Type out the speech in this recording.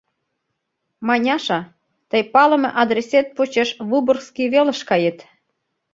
— Маняша, тый палыме адресет почеш Выборгский велыш кает.